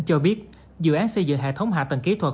cho biết dự án xây dựng hệ thống hạ tầng kỹ thuật